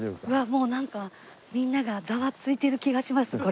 うわっもうなんかみんながザワついてる気がします